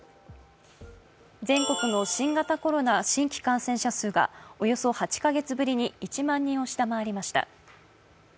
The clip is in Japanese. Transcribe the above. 全国の新型コロナ新規感染者数がおよそ８か月ぶりに１万人を下回りました。